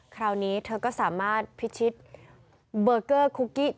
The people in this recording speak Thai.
คราวนี้เธอก็สามารถพิชิตเบอร์เกอร์คุกกี้